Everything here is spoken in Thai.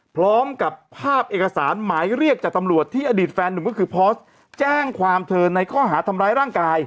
พร้อมกับภาพเอกสารหมายเรียกจากตำรวจที่อดีตแฟนหนุ่มก็คือพอสแจ้งความเธอในข้อหาทำร้ายร่างกาย